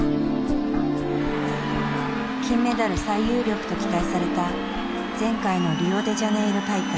金メダル最有力と期待された前回のリオデジャネイロ大会。